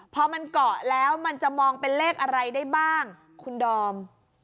พอมันเกาะแล้วมันจะมองเป็นเลขอะไรได้บ้างคุณดอม